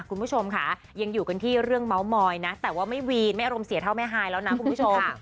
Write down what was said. คุณผู้ชมค่ะยังอยู่กันที่เรื่องเม้าน้าแม้อารมณ์เสียเท่าแม่ไห้คุณผู้ชม